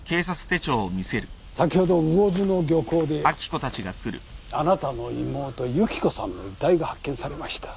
先ほど魚津の漁港であなたの妹雪子さんの遺体が発見されました。